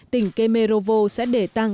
tỉnh kemerovo sẽ để tăng